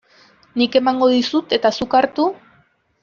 Nik emango dizut eta zuk hartu?